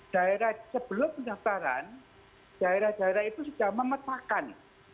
daerah sebelum pendaftaran daerah daerah itu sudah memetakan